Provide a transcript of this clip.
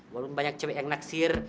walaupun banyak cewek yang naksir